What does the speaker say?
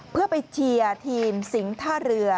เพื่อไปเชียร์ทีมสิงท่าเรือ